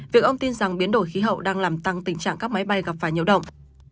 việc ông tin rằng biến đổi khí hậu đang làm tăng tình trạng các máy bay gặp phải nhiễu động